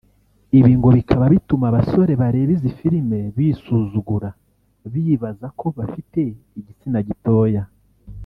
ibi ngo bikaba bituma abasore bareba izi filime bisuzugura bibaza ko bafite igitsina gitoya